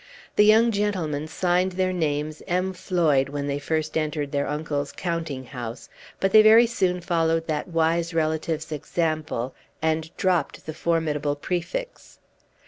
The young gentlemen signed their names M`Floyd when they first entered their uncle's counting house; but they very soon followed that wise relative's example, and dropped the formidable prefix.